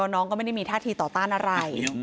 น้องก็ไม่ได้มีท่าทีต่อต้านอะไร